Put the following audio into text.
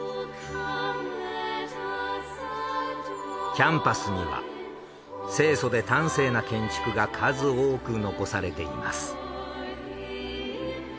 キャンパスには清楚で端正な建築が数多く残されています。